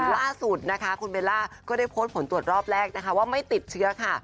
ล่าสุดนะคะคุณเบลล่าก็ได้โพสต์ผลตรวจรอบแรกนะคะว่าไม่ติดเชื้อค่ะ